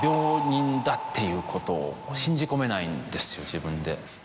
自分で。